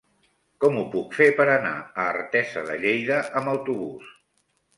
Com ho puc fer per anar a Artesa de Lleida amb autobús?